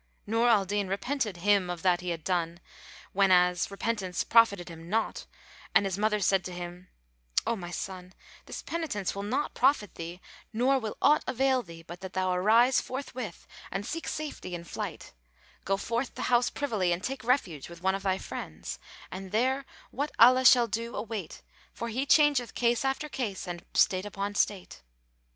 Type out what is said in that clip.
Nur al Din repented him of that he had done, whenas repentance profited him naught, and his mother said to him, "O my son, this penitence will not profit thee; nor will aught avail thee but that thou arise forthwith and seek safety in flight: go forth the house privily and take refuge with one of thy friends and there what Allah shall do await, for he changeth case after case and state upon state."